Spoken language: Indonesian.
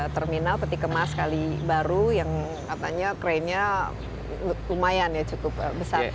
terminal peti kemas kali baru yang katanya kerainnya lumayan ya cukup besar